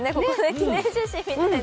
記念写真みたいな。